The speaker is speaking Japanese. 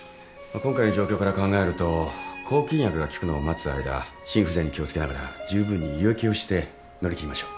今回の状況から考えると抗菌薬が効くのを待つ間心不全に気を付けながら十分に輸液をして乗り切りましょう。